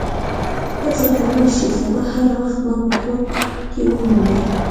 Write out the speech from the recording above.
تاسو کولی شئ سبا هر وخت ما په کور کې ومومئ